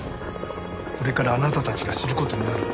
これからあなたたちが知る事になるんです。